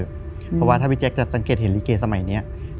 เพราะว่าถ้าพี่แจ๊คจะสังเกตเห็นลิเกสมัยนี้